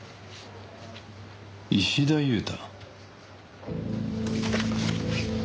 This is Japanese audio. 「石田祐太」。